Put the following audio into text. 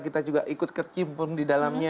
kita juga ikut ke tim pun di dalamnya